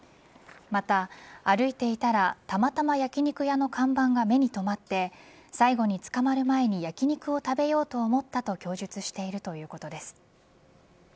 また、歩いていたらたまたま焼き肉屋の看板が目に止まって最後に捕まる前に焼肉を食べようと思ったと供述しているということです。